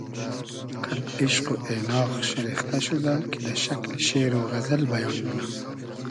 قئد ایشق و اېناغ شیرختۂ شودۂ کی دۂ شئکلی شېر و غئزئل بیان مونۂ